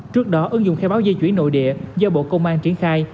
trước đó ứng dụng khai báo dây chuyển nội địa do bộ công an triển khai